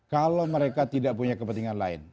kalau mereka tidak punya kepentingan lain